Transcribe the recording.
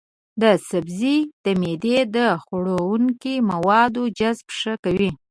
دا سبزی د معدې د خوړنکي موادو جذب ښه کوي.